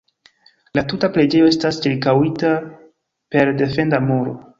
La tuta preĝejo estas ĉirkaŭita per defenda muro.